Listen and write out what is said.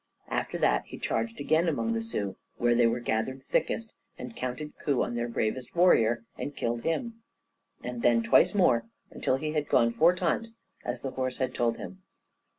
After that he charged again among the Sioux, where they were gathered thickest, and counted coup on their bravest warrior, and killed him. And then twice more, until he had gone four times as the horse had told him.